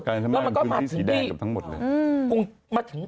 แล้วมันก็มาถึงที่